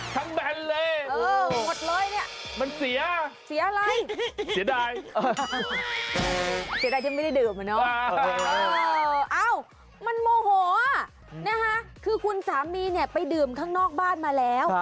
ทั้งขวดเลยหมดเลยเนี่ยมันเสียอะไรเสียใจมันโมหอคุณสามีไปดื่มข้างนอกบ้านมาแล้ว